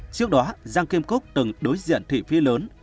trước đó giang kim cốc từng đối diện thị phi lớn